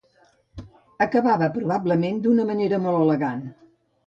Acabava, probablement d'una manera molt elegant.